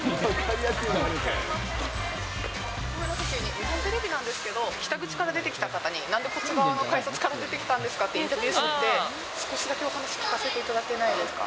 日本テレビなんですけど、北口から出てきた方に、なんでこっち側の改札から出てきたんですかっていうインタビューしていて、少しだけお話聞かせていただけないですか。